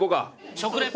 食レポ！